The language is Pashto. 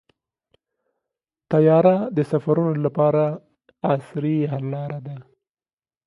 طیاره د سفرونو لپاره عصري حل لاره ده.